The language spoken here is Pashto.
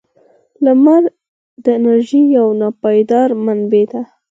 • لمر د انرژۍ یو ناپایدار منبع دی.